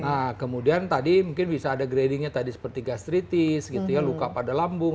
nah kemudian tadi mungkin bisa ada gradingnya tadi seperti gastritis gitu ya luka pada lambung